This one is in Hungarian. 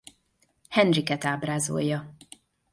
Henriket ábrázolja.